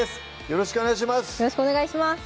よろしくお願いします